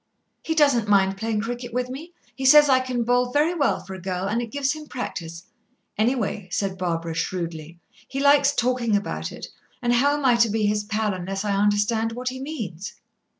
"He doesn't mind playing cricket with me; he says I can bowl very well for a girl, and it gives him practice. Anyway," said Barbara shrewdly, "he likes talking about it, and how am I to be his pal unless I understand what he means?"